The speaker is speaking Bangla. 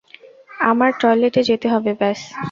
আমার টয়লেটে যেতে হবে ব্যস।